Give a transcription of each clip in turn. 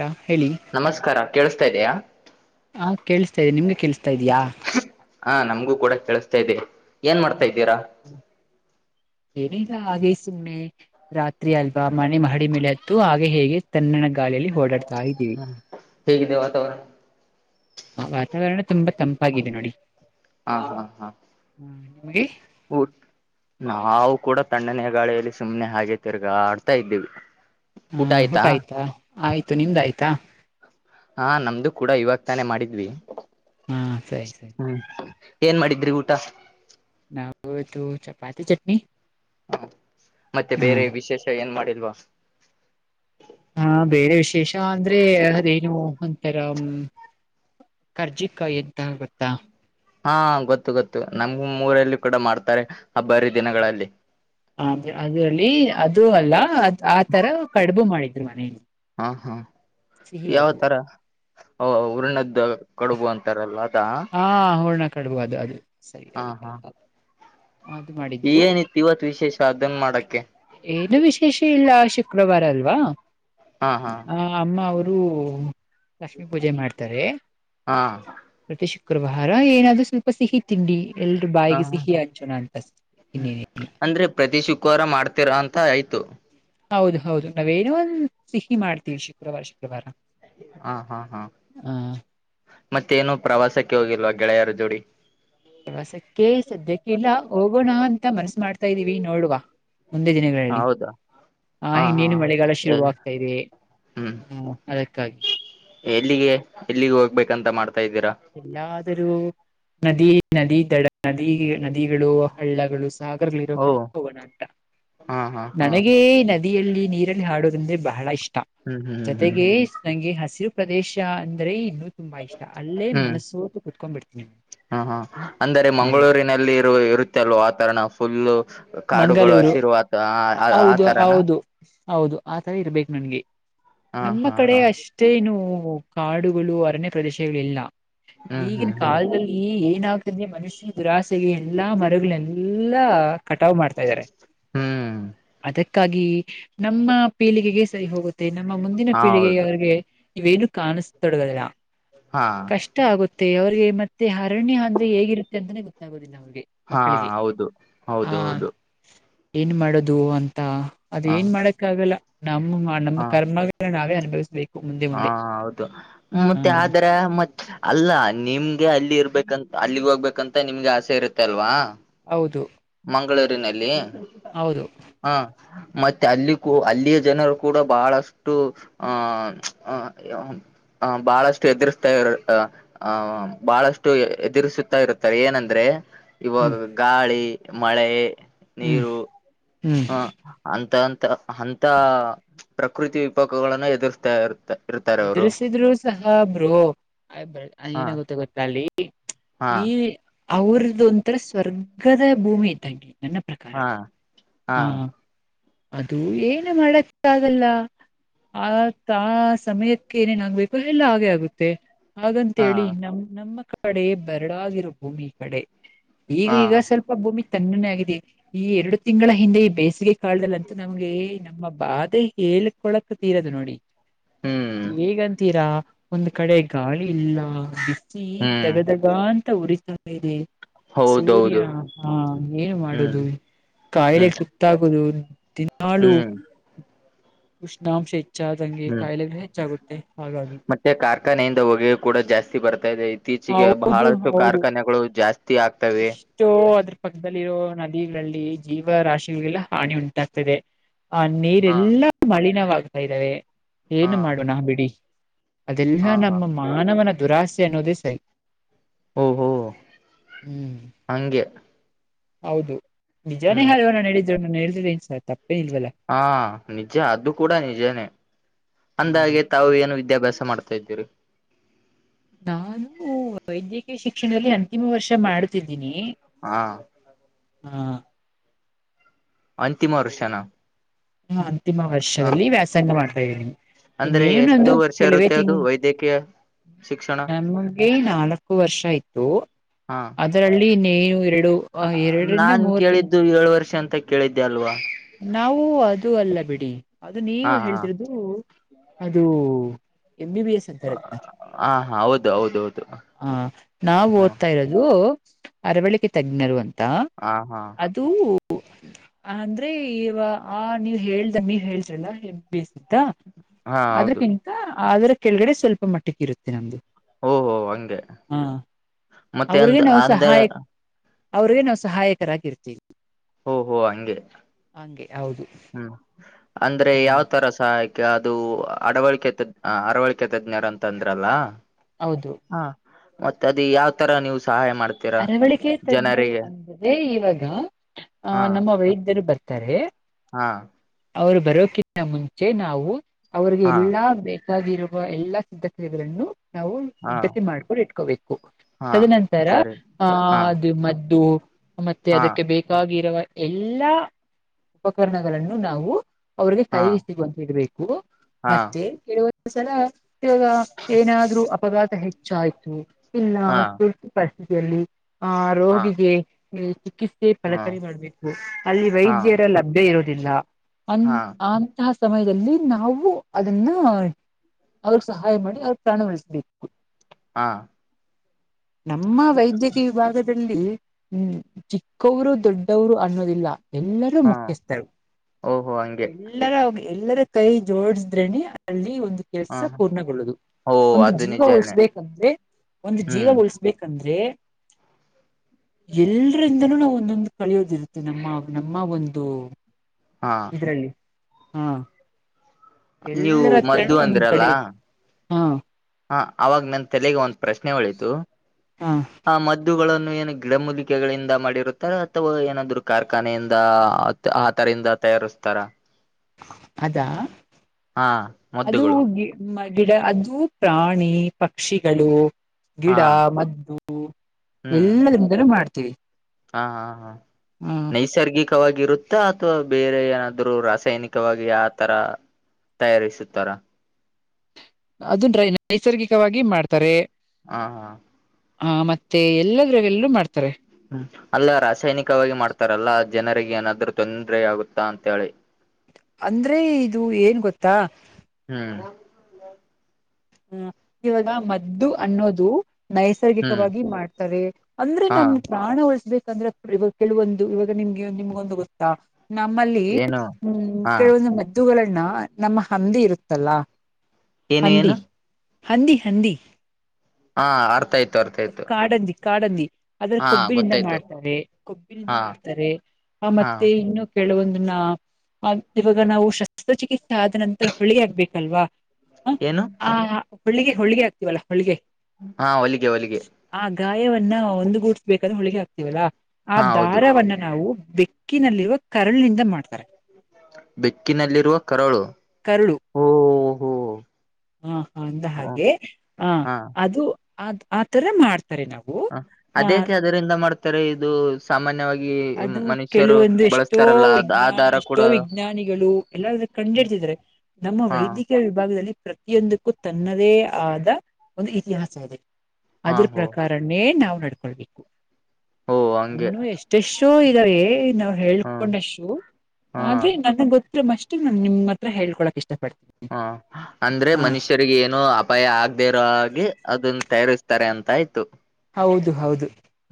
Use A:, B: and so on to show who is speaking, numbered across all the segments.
A: ಹಾ ಹೇಳಿ
B: ನಮಸ್ಕಾರ ಕೇಳಿಸ್ತಾ ಇದಿಯ
A: ಹಾ ಕೇಳಸ್ತಾ ಇದೆ ನಿಮ್ಗೆ ಕೆಳಸ್ತಾ ಇದ್ಯಾ
B: ಹಾ ನಮ್ಗೂ ಕೂಡ ಕೇಳಸ್ತಾ ಇದೆ ಏನ್ ಮಾಡ್ತಾ ಇದ್ದೀರಾ
A: ಏನಿಲ್ಲ ಹಾಗೆ ಸುಮ್ನೆ ರಾತ್ರಿ ಅಲ್ವಾ ಮನೆ ಮಹಡಿ ಮೇಲೆ ಹತ್ತು ಹಾಗೆ ಈಗೆ ತನ್ನನ ಗಾಳಿಯಲ್ಲಿ ಓಡಾಡ್ತಾ ಇದ್ದೀವಿ
B: ಹೇಗಿದೆ ವಾತಾವರಣ
A: ವಾತಾವರಣ ತುಂಬಾ ತಂಪಾಗಿದೆ ನೋಡಿ
B: ಹಾ ಹಾ ಹಾ
A: ನಿ
B: ಉರ್ ನಾವು ಕೂಡ ತಣ್ಣನೆಯ ಗಾಳಿಯಲ್ಲಿ ಸುಮ್ನೆ ಹಾಗೆ ತಿರ್ಗಾಡ್ತಾ ಇದ್ದೀವಿ
A: ಹ ಊಟ ಆಯ್ತಾ ಆಯ್ತು ನಿಮ್ದು ಆಯ್ತಾ
B: ಹಾ ನಮ್ದು ಕೂಡ ಇವಾಗತಾನೇ ಮಾಡಿದ್ವಿ
A: ಹಾ ಸರಿ ಸರಿ
B: ಹ ಏನ್ ಮಾಡಿದ್ರಿ ಊಟ
A: ನಾ [unintelligible] ಚಪಾತಿ ಚಟ್ನಿ
B: ಹ ಮತ್ತೆ
A: ಹ
B: ಬೇರೆ ವಿಶೇಷ ಏನ್ ಮಾಡಿಲ್ವಾ
A: ಹಾ ಬೇರೆ ವಿಶೇಷ ಅಂದ್ರೆ ಅದೇನು ಒಂತರ ಕಾರ್ಜಿಕಾಯಿ ಅಂತ ಗೊತ್ತಾ
B: ಹಾ ಗೊತ್ತು ಗೊತ್ತು ನಮ್ ಊರಲ್ಲಿ ಕೂಡ ಮಾಡ್ತಾರೆ ಹಬ್ಬರ ದಿನಗಳಲ್ಲಿ
A: ಅ ಅದರಲ್ಲಿ ಅದು ಅಲ್ಲ ಆ ತರ ಕಡುಬು ಮಾಡಿದ್ರು ಮನೇಲಿ
B: ಹಾ ಹಾ
A: ಸಿಹಿ
B: ಯಾವ
A: ಅದು
B: ತರ ಉರ್ಣದ ಕಡುಬು ಅಂತಾರಲ್ಲ ಅದಾ
A: ಹಾ ಹೂರ್ಣ ಕಡಬು ಅದು ಅದು ಸರಿ
B: ಹಾ ಹಾ
A: ಅ ಅದು ಮಾಡಿ
B: ಏನಿತ್ತು ಇವತ್ ವಿಶೇಷ ಅದನ್ ಮಾಡಕ್ಕೆ
A: ಏನು ವಿಶೇಷ ಇಲ್ಲ ಶುಕ್ರವಾರ ಅಲ್ವಾ
B: ಹಾ ಹಾ
A: ಹ ಅಮ್ಮ ಅವರು ಲಕ್ಷ್ಮೀ ಪೂಜೆ ಮಾಡ್ತಾರೆ
B: ಹಾ
A: ಪ್ರತಿ ಶುಕ್ರವಾರ ಏನಾದ್ರು ಸ್ವಲ್ಪ ಸಿಹಿ ತಿಂಡಿ ಎಲ್ರೂ ಬಾಯಿಗೆ
B: ಹ
A: ಸಿಹಿ ಹಂಚೋನ ಅಂತ ಇನ್ನೇನಿಲ್ಲ
B: ಅಂದ್ರೆ ಪ್ರತಿ ಶುಕ್ರವಾರ ಮಾಡ್ತಿರಾ ಅಂತ ಆಯ್ತು
A: ಹೌದ ಹೌದು ನಾವೇನೋ ಒಂದ್ ಸಿಹಿ ಮಾಡ್ತೀವಿ ಶುಕ್ರವಾರ ಶುಕ್ರವಾರ
B: ಹಾ ಹಾ ಹಾ
A: ಆ
B: ಮತ್ತೇನು ಪ್ರವಾಸಕ್ಕೆ ಹೋಗಿಲ್ವಾ ಗೆಳೆಯರ ಜೋಡಿ
A: ಪ್ರವಾಸಕ್ಕೆ ಸದ್ಯಕ್ಕೆ ಇಲ್ಲ ಹೋಗೋಣ ಅಂತ ಮನಸ ಮಾಡ್ತ ಾ ಇದೀವಿ ನೋಡುವ ಮುಂದೆ ದಿನಗಳಲ್ಲಿ
B: ಹೌದಾ
A: ಹ
B: ಹಾ ಹಾ
A: ಇನ್ನೇನು ಮಳೆಗಾಲ ಶುರುವಾಗಗ್್ತಾ ಇದೆ
B: ಹ್ಮ್
A: ಹ್ಮ ಅದಕ್ಕಾಗಿ
B: ಎಲ್ಲಿಗೆ ಎಲ್ಲಿಗೆ ಹೋಗ್ಬೇಕಂತ ಮಾಡ್ತಾ ಇದ್ದೀರಾ
A: ಎಲ್ಲಾದರೂ ನದಿ ನದಿ ದಡ ನದಿ ನದಿಗಳು ಹಳ್ಳಗಳು ಸಾಗರಗಳಿರೋ
B: ಓ
A: ಕಡೆ ಹೋಗೋಣ ಅಟ
B: ಹಾ ಹಾ ಹಾ
A: ನನಗೇ ನ ನದಿಯಲ್ಲಿ ನೀರಲ್ಲಿ ಹಾಡೋುದಂದ್ರೆ ಬಹಳ ಇಷ್ಟ
B: ಹ್ಮ್ ಹ್ಮ್ ಹ್ಮ್
A: ಜೊತೆಗೆ ನಂಗೆ ಹಸಿರು ಪ್ರದೇಶ ಅಂದ್ರೆ ಇನ್ನುೂ ತುಂಬಾ ಇಷ್ಟ ಅಲ್ಲೇ ಮನಸ್ಸೋತ ಕುೂತ್ಕೊಂಡ್ಬ ಬಿಡ್ತೀನಿ
B: ಹ್ಮ್ ಹ್ಮ ಅಂದರೆ
A: ಹ
B: ಮಂಗಳೂರಿನಲ್ಲಿ ಇರು ಇರುತ್ತೆ ಅಲ್ವ ವಾತರಣ ಫುಲ್ಲು ಕಾಡುಗಳು
A: ಮಂಗಳೂರು
B: ಆಶೀರ್ವಾದ
A: ಹೌದು
B: ಆತರಾನ
A: ಹೌದು ಹೌದು ಆ ತರ ಇರ್ಬೇಕು ನನ್ಗೆ
B: ಹಾ
A: ನಮ್ಮ
B: ಹಾ
A: ಕಡೆ
B: ಹಾ
A: ಅಷ್ಟ ಅಷ್ಟೇನು ಕಾಡುಗಳು ಅರಣ್ಯ ಪ್ರದೇಶಗಳೆಲ್ಲ
B: ಹ್ಮ್
A: ಈಗಿನ
B: ಹ್ಮ್ ಹ್ಮ್
A: ಕಾಲದಲ್ಲಿ ಈ ಏನಾಗತದೆ ಮನುಷ್ಯನ ದುರಾಸೆಗೆ ಎಲ್ಲಾ ಮರಗಳಗಳೆಲ್ಲಾ ಕಟಾವು್ ಮಾಡ್ತಾ ಇದ್ದಾರೆ
B: ಹ್ಮ್
A: ಅದಕ್ಕಾಗಿ ನಮ್ಮ ಪೀಳಿಗೆಗೆ ಸರಿ ಹೋಗುತ್ತೆ ಮತ್ತೆ ನಮ್ಮ ಮುಂದಿನ
B: ಹಾ ಹೌದು
A: ಪೀಳಿಗೆವಿಗೆ ಇವೇನು ಕಾಣಿಸತೊಡಗೋದಿಲ್ಲ
B: ಹಾ
A: ಗಷ್ಟ ಆಗುತ್ತೆ ಅವ್ರಿಗೆ ಮತ್ತೆ ಅರಣ್ಯ ಅಂದ್ರೆ ಹೇಗಿತ್ತೆ ಅಂತಾನೆ ಗೊತ್ತಾಗೋುದಿಲ್ಲ ಅವ್ರಿಗೆ
B: ಹಾ ಹೌದು
A: ಹ
B: ಹೌದು ಹೌದು
A: ಏನ್ ಮಾಡದು ಅಂತ ಅದ
B: ಹ
A: ಏನ್ ಮಾಡಕ್ಕ ಆಗಲ್ಲ ನಮ್ಮ ನಮ್ಮ
B: ಹಾ
A: ಕರ್ಮಗಳ ನಾವೇ ಅನುಭವಿಸ್ಬೇಕು ಮುಂದೆ
B: ಹಾ
A: ಮುಂದೆ
B: ಹೌದು
A: ಹಾ
B: ಮತ್ತೆ ಅದರ ಮ ಅಲ್ಲ ನಿಮ್ಗೆ ಅಲ್ಲಿ ಇರ್ಬೇಕಂತ ಅಲ್ಲಿಗ್ ಹೋಗ್ಬೇಕಂತ ನಿಮ್ಗೆ ಆಸೆ ಇರುತ್ತೆ ಅಲ್ವಾ
A: ಹೌದು
B: ಮಂಗಳೂರಿನಲ್ಲಿ
A: ಹೌದು
B: ಹ ಮತ್ತೆ ಅಲ್ಲಿ ಕೂ ಅಲ್ಲಿಯ ಜನರು ಕೂಡ ಬಹಳಷ್ಟು ಆ ಹ ಹ ಬಹಳಷ್ಟು ಎದುರಿಸ್ತ್ರ ಹ ಬಹಳಷ್ಟು ಎದುರಿಸುತ್ತಾ ಇರುತ್ತಾರೆ ಏನಂದ್ರೆ ಇವಾಗ
A: ಹ್ಮ್
B: ಗಾಳಿ ಮಳೆ
A: ಹ್ಮ್
B: ನೀರು
A: ಹ್ಮ್
B: ಹ್ಮ ಅಂತ ಅಂತ ಅಂತ ಪ್ರಕೃತಿ ವಿಪಾಗಗಳನ್ನ ಎದುರಿಸತಾ ಇರುತ್ತೆ
A: ಎದುರಿಸಿದ್ರು ಸಹ ಬರು
B: ಹ
A: ಏನ ಗುತ್ತೆ ಗೊತ್ತ ಅಲ್ಲಿ
B: ಹಾ
A: ಈ ಅವ್ರದ್ದ ಒಂಥರ ಸ್ವರ್ಗದ ಭೂಮಿ ಇದ್ದಾಗಿ ನನ್ನ ಪ್ರಕಾರ
B: ಹಾ ಹಾ
A: ಅದು ಏನು ಮಾಡಕ್ಕಾಗಲ್ಲ ಆ ತಾ ಸಮಯಕ್ಕೆ ಏನೇನ ಆಗ್ಬೇಕು ಎಲ್ಲ ಹಾಗೆ ಆಗುತ್ತೆ
B: ಹಾ
A: ಹಾಗಂತೇಳಿ ನಮ ನಮ್ಮ ಕಡೆ ಬರಡಾಗಿರ ಭೂಮಿ ಈ ಕಡೆ ಈಗ
B: ಹಾ
A: ಈಗ ಸ್ವಲ್ಪ ಭೂಮಿ ತಣ್ಣೇ ಆಗಿದೆ ಈ ಎರಡು ತಿಂಗಳ ಹಿಂದೆ ಈ ಬೇಸಿಗೆ ಕಾಳ್ದಲ್ಲ ಅಂತೂ ನಮ್ಗೆ ನಮ್ಮ ಬಾಧೆ ಹೇಳ್ಕೊಳಕ್ ತೀರೋದು ನೋಡಿ
B: ಹ್ಮ್
A: ಹೇಗಂತೀರಾ ಒಂದ್ ಕಡೆ ಗಾಳಿ ಇಲ್ಲ ಬ
B: ಹ್ಮ್
A: ದಗದಗ ಅಂತ ಉರಿಸಿರಿ ಸೂರ್ಯ
B: ಹೌದೌದು
A: ಹಾ ಏನ್
B: ಹ್ಮ್
A: ಮಾಡುದು ಕಾಯಿಲೆ
B: ಹ್ಮ್
A: ಸುತ್ತಾಗುದು ತಿ ಹಾಳು
B: ಹ್ಮ್
A: ಉಷ್ಣಾಂಶ ಹೆಚ್ಚಾದಂಗೆ ಕಾಯಿಲೆಗಳು ಹೆಚ್ಚಾಗುತ್ತೆ ಹಾಗಾಗಿ
B: ಮ ಕಾರ್ಖಾನೆಯಿಂದ ಹೊಗೆ ಕೂಡ ಜಾಸ್ತಿ ಬರ್ತಾ ಇದೆ ಇತ್ತೀಚೆಗೆ
A: ಹೌದು
B: ಬಹಳಷ್ಟು
A: ಹೌದು
B: ಕಾರ್ಖಾನೆಗಳು ಜಾಸ್ತಿ ಆಗ್ತವೆ
A: ಎಷ್ಟೋ ಅದ್ರ ಪಕ್ಕದಲ್ಲಿರೋ ನದಿಗಳಲ್ಲಿ ಜೀವರಾಶಿಗಳಿಗೆಲ್ಲ ಹಾನಿ ಉಂಟಾಗ್ತದೆ ಆ
B: ಹ
A: ನೀರೆಲ್ಲಾ ಮಳಿನವಾಗ್ತಾ ಇದಾವೆ
B: ಹಾ
A: ಏನು ಮಾಡುಣ ಬಿಡಿ. ಅದೆಲ್ಲ
B: ಹಾ ಹಾ
A: ನಮ್ಮ ಮಾನವನ ದುರಾಸೆ ಅನ್ನೋದೇ ಸರಿ.
B: ಓಹೋ
A: [inaudible] ಹ್ಮ್
B: ಹಂಗೆ
A: [inaudible] ಹೌದು. ನಿಜಾನೇ
B: ಹ್ಮ್
A: ಹೇಳನಾ ನಡೆ ನಿಜ ಹೇಳಿದ್ರ ಹಳ್ತಿದ್ರ ಸರ್ ತಪ್ಪ್ ಇಲ್ಲ್ವಾಲ್ಲ..
B: ಹಾ ನಿಜ ಅದು ಕೂಡ ನಿಜಾನೆ.
A: ಹೌದು
B: ಅಂದಾಗೆ ತಾವು ಏನು ವಿದ್ಯಾಭ್ಯಾಸ ಮಾಡ್ತಾ ಇದ್ದೀರಿ.
A: ನಾನು ವೈದ್ಯಕೀಯ ಶಿಕ್ಷಣದಲ್ಲಿ ಅಂತಿಮ ವರ್ಷ ಮಾಡತಿದ್ದೀನಿ...
B: ಹಾ
A: ಹಾ
B: ಅಂತಿಮ ವರ್ಷನ.
A: ಹಾ ಅಂತಿಮ
B: ಹ
A: ವರ್ಷದಲ್ಲಿ ವ್ಯಾಸಂಗ ಮಾಡ್ತಾ ಇದೀನಿ.
B: ಅಂದ್ರೆ ಎಷ್ಟು
A: ಇನ್ನೇನೊಂದು
B: ವರ್ಷ
A: ಕೆಲವೇ
B: ಇರುತ್ತೆ
A: ತಿಂಗ
B: ಅದು ವೈದ್ಯಕೀಯ ಶಿಕ್ಷಣ
A: ನಾನು ಹೋಗಿ ನಾಲ್ಕು ವರ್ಷ ಆಯತು ಅದು ಅದರಲ್ಲಿ ನೆವ ಎರಡು..
B: ಆ
A: ಎರಡರಿಂದ
B: ನಾನ್
A: ಮೂರು ತಿಂಗ್
B: ಕೇಳಿದ್ದು ಏಳು ವರ್ಷ ಅಂತ ಕೇಳಿದ್ದೆ ಅಲ್ವಾ...
A: ನಾವು ಅದು ಅಲ್ಲ ಬಿಡಿ ಅದು ನೀವು
B: ಹಾ ಹಾ
A: ಹೇಳ್ತಿಿರದು. [unintelligible] ಅದು ಎಮ್ ಬಿ ಬಿ ಎಸ್ ಅಂತರ ಅದ್ನ್.
B: ಹ ಹಾ ಹೌದ ಹೌದ ಹೌದು.
A: ಹ ನಾವ್
B: ಹ್ಮ್
A: ಓದ್ತಾ ಇರೋದು ಅರವಳಿಕೆ ತಜ್ಞರು ಅಂತಾ
B: ಹಾ ಹಾ..
A: ಅದು... ಅಂದ್ರೆ ಇವ ಆ ನೀವ್ ಹೇಳ್ದ ನೀವ್ ಹೇಳೇದ್ರಲ್ಲ ಬ್ಯುಸಿ. ಹೌದ
B: ಹಾ ಹೌದು
A: ಅದ್ರಕ್ಕಿಂತ ಅದ್ರ ಕೆಳಗಡೆ ಸ್ವಲ್ಪ ಮಟ್ಟಕ್ಕ ಇರುತ್ತೆ ನಮ್ದು.
B: ಓಹ ಒಹ್ ಹಂಗೆ.
A: ಹಾ
B: ಮತ್ತೆ
A: ಅವ್ರಿಗೆ
B: ಅಂದ
A: ನಾವು
B: ಅಂದ್ರೆ
A: ಸಹಾಯ [inaudible] ಅವ್ರಿಗೆ ನಾವು ಸಹಾಯಕರಾಗಿರ್ತೀವಿ.
B: ಓಹ ಒಹ ಹಂಗೆ.
A: ಹಂಗೆ ಹೌದು.
B: ಹ್ಮ್ ಅಂದ್ರೆ
A: ಹಾ
B: ಯಾವ್ ತರ ಸಹಾಯ ಅದು ಅಡವಳಿಕೆ ತಜ್ಞ ಅರವಳಿಕೆ ತಜ್ಞರ ಅಂತ ಅಂದ್ರಲ್ಲ
A: ಹೌದು.
B: ಹಾ ಮತ್ತೆ ಅದ ಯಾವ್ ತರ ನೀವು ಸಹಾಯ ಮಾಡ್ತ
A: ಅರವಳಿಕೆ ತಜ್ಞರು ಅಂದ್ರೆ ಇವಾಗ ಹಾ ನಮ್ಮ ವೈದ್ಯರು ಬರ್ತಾರೆ.
B: ಹಾ.
A: ಅವರು ಬರೋಕ್ಕಿಂತ ಮುಂಚೆ ನಾವು ಅವ್ರಿಗೆ
B: ಹಾ
A: ಎಲ್ಲಾ ಬೆ ಈವಾಗ್ ಇರುವ ಎಲ್ಲಾ ಸಿದ್ಧತೆಗಳನ್ನು ನಾವು
B: ಹಾ
A: ಸಿದ್ಧತೆ ಮಾಡ್ಕೊಂಡು ಇಟ್ಕೋಬೇಕು
B: ಹಾ
A: ತದನಂತರ
B: ಹಾ
A: ಆಹ ಮದ್ದು ಮತ್ತೆ
B: ಹಾ
A: ಅದಕ್ಕೆ ಬೇಕ ಇವಾಗ ಇರುವ ಎಲ್ಲಾ ಉಪಕರಣಗಳನ್ನು ನಾವು. ಅವ್ರಿಗೆ
B: ಹಾ
A: ಕೈಗೆ ಸಿಗುವಂತ ಇಡ್ಬೇಕು.
B: ಹಾ
A: ಮತ್ತೆ ಕೆಲವಂದ ಸಲ ಇವಾಗ ಏನಾದ್ರೂ ಅಪಘಾತ ಹೆಚ್ಚಾಯ್ತು ಇಲ್ಲ
B: ಹಾ
A: ತುರ್ತು ಪರಿಸ್ಥಿತಿಯಲ್ಲಿ. ಹಾ ರೋಗಿಗೆ ಬೇಕ ಚಿಕಿತ್ಸೆ
B: ಹಾ
A: ಫಲಕರಿ ಮಾಡಬೇಕು ಅಲ್ಲಿ
B: ಹಾ
A: ವೈದ್ಯರ ಲಭ್ಯ ಇರೋದಿಲ್ಲ ಅನ್ನ
B: ಹಾ
A: ಆಮ್ ಆ ಸಮಯದಲ್ಲಿ ನಾವು ಅದನ್ನ [inaudible] ಅವ್ರಗ್ ಸಹಾಯ ಮಾಡಿ ಅವ್ರ ಪ್ರಾಣ ಉಳಿಸಬೇಕು.
B: ಹಾ
A: ನಮ್ಮ ವೈದ್ಯಕೀಯ ವಿಭಾಗದಲ್ಲಿ ಹ್ಮ ಚಿಕ್ಕವರು ದೊಡ್ಡವರು ಅನ್ನೋದಿಲ್ಲ. ಎಲ್ಲರೂ
B: ಹಾ
A: ಮುಖ್ಯಸ್ಥರು
B: ಓಹೋ ಹಂಗೆ
A: [inaudible] ಎಲ್ಲ ಎಲ್ಲರ ಎಲ್ಲರ ಕೈ ಜೋಡಸಿದ್ರನೆ ಅಲ್ಲಿ ಒಂದು
B: ಹ
A: ಕೆಲಸ ಪೂರ್ಣಗೊಳ್ಳುದು
B: ಓ
A: ಒಂದು
B: ಅದು
A: ಜೀವ
B: ನಿಜಾನೇ
A: ಉಳಿಸಬೇಕಂದ್ರೆ ಒಂದು ಜೀವ
B: ಹ್ಮ್
A: ಉಳಸ ಬೇಕಂದ್ರೆ ಎಲ್ರಿಂದನೂ ನಾವು ಒಂದೊಂದು ಕಳಿಯೋದಿರುತ್ತೆ ನಮ್ಮ ನಮ್ಮ ಒಂದು
B: ಹಾ
A: ಹಾ
B: ನೀವು
A: ಎಲ್ಲರ ಹತ್ರೂನು
B: ಮದ್ದು
A: ಒಂದೊಂದ
B: ಅಂದ್ರಲ್ಲ
A: ಪಡಿಬೇಕು ಹಾ
B: ಹ ಅವಾಗ ನನ್ ತಲೆಗೆ ಒಂದ್ ಪ್ರಶ್ನೆ ಉಳಿತು
A: ಹಾ
B: ಆ ಮದ್ದುಗಳನ್ನು ಏನು ಗಿಡಮೂಲಿಕೆಗಳಿಂದ ಮಾಡಿರುತ್ತಾರೆ ಅಥವಾ ಏನಾದರುೂ ಕಾರ್ಖಾನೆಯಿಂದ ಆತರಿಂದ ತಯಾರಿಸ್ತಾರ
A: ಅದಾ
B: ಹಾ
A: ಅದು
B: ಮದ್ದುಗಳು
A: ಗಿಡ ಅದು ಪ್ರಾಣಿ ಪಕ್ಷಿಗಳು ಗಿಡ
B: ಹಾ
A: ಮದ್ದು
B: ಹ್ಮ್
A: ಎಲ್ಲದಿಂದಲೂ ಮಾಡ್ತೀವಿ
B: ಹಾ ಹಾ ಹಾ
A: ಹ
B: ನೈಸರ್ಗಿಕ ವಾಗಿ ಇರುತ್ತಾ ಅಥವಾ ಬೇರೆ ಏನಾದ್ರು ರಾಸಾಯನಿಕವಾಗಿ ಆ ತರ ತಯಾರಿಸುತ್ತಾರಾ
A: ಅದೈ ನೈಸರ್ಗಿಕವಾಗಿ ಮಾಡ್ತಾರೆ
B: ಹಾ ಹಾ
A: ಹ ಮತ್ತೆ ಎಲ್ಲದ್ರಾಗೆಲ್ಲೂ ಮಾಡ್ತಾರೆ
B: ಹ್ಮ್ ಅಲ್ಲ ರಾಸಾಯನಿಕವಾಗಿ ಮಾಡ್ತಾರಲ್ಲಾ ಜನರಿಗೆ ಏನಾದ್ರು ತೊಂದ್ರ ಆಗುತ್ತಾ ಅಂತ ಹೇಳಿ [unintelligible]
A: ಅಂದ್ರೆ ಇದು ಏನ್ ಗೊತ್ತಾ
B: ಹ್ಮ್
A: ಹ್ಮ ಇವಾಗ ಮದ್ದು ಅನ್ನೋದು ನೈಸ್
B: ಹ್ಮ್
A: ನೈಸರ್ಗಿಕವಾಗಿ ಮಾಡ್ತಾರೆ ಅಂದ್ರೆ
B: ಹಾ
A: ನಮ್ ಪ್ರಾಣ ಉಳಿಸಬೇಕಂದ್ರೆ ಇವಾಗ ಕೆಲವೊಂದು ಇವಾಗ ನಿಮ್ಗೆ ನಿಮ್ಗೊಂದು ಗೊತ್ತಾ ನಮ್ಮಲ್ಲಿ
B: ಏನು
A: ಹ್ಮ್
B: ಹಾ
A: ಕೆಲವೊಂದು ಮದ್ದುಗಳನ್ನ ನಮ್ಮ ಹಂದಿ ಇರುತ್ತಲ್ಲ
B: ಏನು ಏನು
A: ಹಂದಿ ಹಂದಿ ಹಂದಿ
B: ಹಾ ಅರ್ಥ ಆಯ್ತು ಅರ್ಥ ಆಯ್ತು
A: ಕಾಡಂದಿ ಕಾಡಂದಿ ಅದ್ರ
B: ಹಾ
A: ಕೊಬ್ಬಿನಿಂದ
B: ಗೊತ್ತಾಯ್ತು
A: ಮಾಡ್ತಾರೆ ಕೊಬ್ಬಿನಿಂದ
B: ಹಾ
A: ಮಾಡ್ತಾರೆ ಆ
B: ಹಾ
A: ಮತ್ತೆ ಇನ್ನು ಕೆೇಳವೊಂದ್ನಾ ಇವಾಗ ನಾವು ಶಸ್ತ್ರಚಿಕಿತ್ಸೆ ಆದ ನಂತರ ಹೊಳಿ ಆಗ್ಬೇಕಲ್ವಾ
B: ಏನು
A: ಹ ಹಳಿಗೆ ಹೋಲಿಗೆ ಆಗ್ತೀವಲ್ಲಾ ಹೋಲಿಗೆ
B: ಹಾ ಹೊಲಿಗೆ ಹೊಲಿಗೆ
A: ಆ ಗಾಯವನ್ನ ಒಂದು ಗೂಡ್ಸ್ಬೇಕಂದ್ರೆ ಹೋಲಿಗೆ ಹಾಕ್ತವಲ್ಲಾ ಆ
B: ಹಾ ಹೌದು
A: ದಾರವನ್ನ ನಾವು ಬಿ ಅಕ್ಕಿನಲ್ಲಿರುವ ಕರಳನಿಂದ ಮಾಡ್ತಾರೆ
B: ಬೆಕ್ಕಿನಲ್ಲಿರುವ ಕರಳು ಹೋ
A: ಹಾ ಹ ಅಂದ
B: ಹ
A: ಹಾಗೆ ಆ
B: ಹಾ
A: ಅದು ಅ್ ಆತರ ಮಾಡ್ತಾರೆ ನಾವು
B: ಹ
A: ಆ
B: ಅದಕ್ಕೆೆ ಅದರಿಂದ ಮಾಡ್ತಾರೆ ಇದು ಸಾಮಾನ್ಯವಾಗಿ
A: ಅದು
B: ಮನುಷ್ಯರು
A: ಕೆಲವೊಂದು ಎಷ್ಟೋ
B: ಬಳಸ್ತಾರಲ್ಲ ಅದ್
A: ವಿಜ್ಞ
B: ಆ ದಾರ ಕೂಡ
A: ಎಷ್ಟೋ ವಿಜ್ಞಾನಿಗಳು ಎಲ್ಲ ಕಂಡು ಹಿಡ್ತಿದ್ರೆ ನಮ್ಮ
B: ಹಾ
A: ವೈದ್ಯಕೀ ವಿಭಾಗದಲ್ಲಿ ಪ್ರತಿಯೊಂದಕ್ಕೂ ತನ್ನದೇ ಆದ ಒಂದು ಇತಿಹಾಸ ಇದೆ
B: ಹಾ
A: ಅದ್ರ
B: ಹೋ
A: ಪ್ರಕಾರನೇ ನಾವು ನಡ್ಕೊಳ್ಬೇಕು
B: ಹೋ ಹಂಗೆ
A: ಇನ್ನೂ ಎಷ್ ಶೋ ಇದಾವೇ ನಾವು
B: ಹಾ
A: ಹೇಳ್ಕೊಂಡ ಶೋ
B: ಹಾ
A: ಆದ್ರೆ ನಮ್ಗ್ ಗೊತ್ ಮಷ್ಟಿಗ್ ನಾನ್ ನಿಮತ್ರ ಹಳ್ಕೊಕಕ್ ಇಷ್ಟ ಪಡ್
B: ಹಾ ಅಂದ್ರೆ ಮನುಷ್ ಶ್ಯರಿಗೆ ಏನೋ ಅಪಾಯ ಆಗದೆ ಇರೋ ಹಾಗಿ ಅದನ್ ತಯಾರಿಸ್ತಾರೆ ಅಂತ ಆಯ್ತು.
A: ಹೌದು ಹೌದು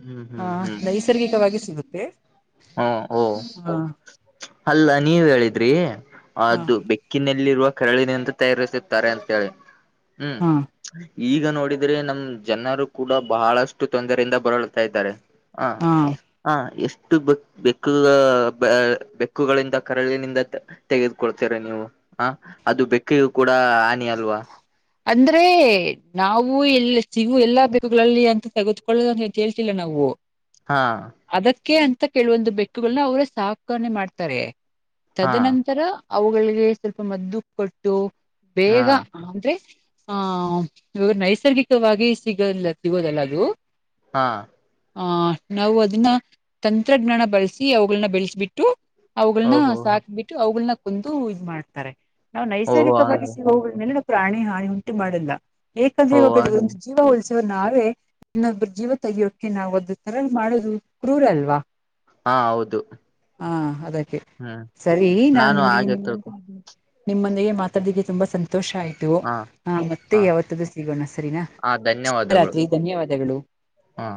B: ಹ್ಮ್
A: ಹ
B: ಹ್ಮ್
A: ನೈಸರ್ಗಿಕವಾಗಿ ಸಿಗುತ್ತೆ.
B: ಹಾ ಓ
A: ಹಾ
B: ಅಲ್ಲ ನೀವ್ ಹೇಳಿದ್ರಿ
A: ಹಾ
B: ಅದು ಬೆ ಕ್ಕಿನಲ್ಲಿರುವ ಕರಳಿನಿಂದ ತಯಾರಿಸುತ್ತಾರೆ ಅಂತೇಳಿ ಹ್ಮ್
A: ಹಾ
B: ಈಗ ನೋಡಿದ್ರೆ ನಮ್ ಜನರು ಕೂಡ ಬಹಳಷ್ಟು ತೊಂದರೆಯಿಂದ ಬಳಲ್ತಾ ಇದ್ದಾರೆ. ಹ
A: ಹಾ
B: ಹ ಎಷ್ಟು ಬ ಬೆಕ್ಕು ಆ ಬೆ ಹಕ್ಕುಗಳಿಂದ ಕರಳಿನಿಂದ ತ ತೆಗೆದುಕೊಳ್ತೀರ ನೀವು. ಹ ಅದು ಬೆಕ್ಕಿಗೂ ಕೂಡ ಹನಿ ಅಲ್ವಾ.
A: ಅಂದ್ರೆ ನಾವು ಎಲ್ಲ ಸಿಗವು ಎಲ್ಲಾ ಬೆಕ್ಕುಗಳಲ್ಲಿ ಅಂತ ತೆಗೆದುಕೊಳ್ಳುವ ತ್ ಹೇಳ್ತಿಲ್ಲ ನಾವು
B: ಹಾ
A: ಅದಕ್ಕೆ ಅಂತ ಕೆಲವೊಂದು ಬೆಕ್ಕುಗಳನ್ನ ಅವ್ರೇ ಸಾಕಾನೆ ಮಾಡ್ತಾರೆ
B: ಹಾ
A: ತದನಂತರ ಅವುಗಳಿಗೆ ಸ್ವಲ್ಪ ಮದ್ದು ಕೊಟ್ಟು
B: ಹಾ
A: ಬೇಗ ಅಂದ್ರೆ ಹ ಇವಾಗ ನೈಸರ್ಗಿಕವಾಗಿ ಸಿಗಲ್ಲ ಸಿಗೋದಲ್ಲ ಅದು
B: ಹಾ
A: ಆ ನಾವು ಅದನ್ನ ತಂತ್ರಜ್ಞಾನ ಬಳಸಿ ಅವುಗಳನ್ನ ಬೆಳೆಸಬಿಟ್ಟು ಅವುಗಳನ್ನ
B: ಓಹೋ
A: ಸಾಕಿಬಿಟ್ಟು ಅವುಗಳನ್ನ ಕೊಂದು ಇದ್ ಮಾಡ್ತಾರೆ ನಾವು
B: ಓಹೋ
A: ನೈಸರ್ಗಿಕವಾಗಿ
B: ಹಂಗ
A: ಸಿವುಗಳ ಮೇಲೆ ನಮ್ ಪ್ರಾಣಿ ಹಾನಿ ಉಂಟು ಮಾಡಲ್ಲ ಏಕಂದ್ರೆ
B: ಓ
A: ಇವಾಗ್
B: ಹಂಗ
A: ಒಂದು ಜೀವ ಉಳಿಸುವ ನಾವೇ ಇನ್ನೊಬ್ರ್ ಜೀವ ತೆಗೆಯೋಕೆ ನಾವು ಒಂದ್ ಕರಳ್ ಮಾಡೋದು ಕ್ರೂರ ಅಲ್ವ.
B: ಹಾ ಹೌದು
A: ಹಾ ಅದಕ್ಕೆ
B: ಹ್ಮ್
A: ಸರಿ ನಾ
B: ನಾನು
A: ನಿಮ್ಗೆ
B: ಹಾಗೆ
A: ನಿಮ್
B: ತಿಳ್ಕೊ
A: [unintelligible] ನಿಮ್ಮೊಂದಿಗೆ ಮಾತಾಡ್ದಿಕ್ಕೆ ತುಂಬಾ ಸಂತೋಷ ಆಯ್ತು. ಹಾ ಮತ್ತೆ ಯಾವತಾದ್ರೂ ಸಿಗೋಣ ಸರಿನಾ
B: ಹ
A: ಶ್
B: ಧನ್ಯವಾದಗಳು
A: ರಾತ್ರಿ ಧನ್ಯವಾದಗಳು.
B: ಹಾ